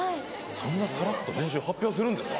そんなさらっと年収発表するんですか。